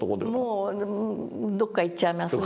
もうどっか行っちゃいますね。